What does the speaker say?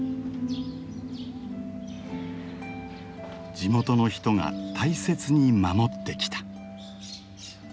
地元の人が大切に守ってきた。